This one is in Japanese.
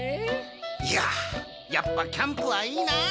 いややっぱキャンプはいいなあ！